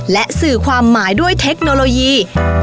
และสื่อความหมายด้วยเทคโนโลยี